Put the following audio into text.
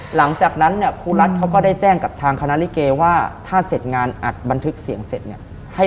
หลังจากนั้นเนี่ยครูรัฐเขาก็ได้แจ้งกับทางคณะลิเกว่าถ้าเสร็จงานอัดบันทึกเสียงเสร็จเนี่ย